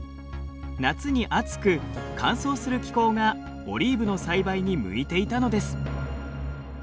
夏に暑く乾燥する気候がオリーブの栽培に向いていたのです。